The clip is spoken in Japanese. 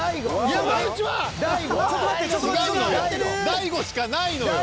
大悟しかないのよ。